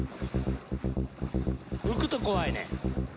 浮くと怖いね。